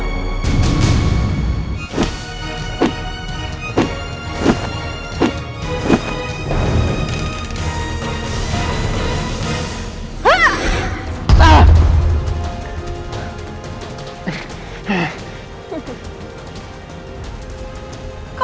siluman ular hijau